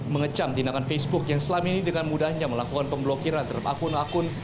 mengecam tindakan facebook yang selama ini dengan mudahnya melakukan pemblokiran terhadap akun akun